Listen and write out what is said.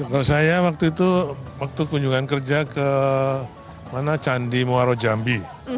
kalau saya waktu itu waktu kunjungan kerja ke mana candi muarajambi